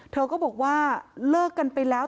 เธอก็บอกว่าเลิกกันไปแล้ว